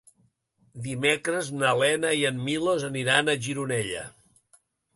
Dimecres na Lena i en Milos aniran a Gironella.